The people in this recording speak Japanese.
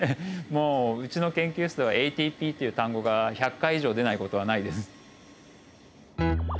もううちの研究室ではＡＴＰって単語が１００回以上出ない事はないです。